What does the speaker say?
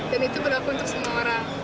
dan itu berlaku untuk semua orang